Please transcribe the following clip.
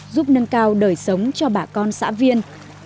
giúp nâng cao đời sống cho bà con xã viên